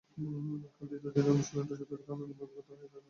কাল তৃতীয় দিনের অনুশীলনটাও যথারীতি আনন্দময় অভিজ্ঞতা হয়ে রইল ওদের কাছে।